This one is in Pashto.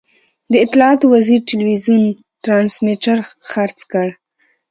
د اطلاعاتو وزیر ټلوېزیون ټرانسمیټر خرڅ کړ.